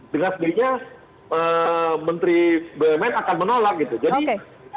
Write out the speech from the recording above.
dengan segeranya menteri bgman akan menolak